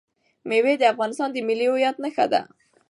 مېوې د افغانستان د ملي هویت نښه ده.